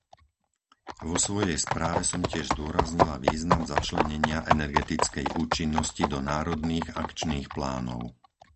Vo svojej správe som tiež zdôraznila význam začlenenia energetickej účinnosti do národných akčných plánov.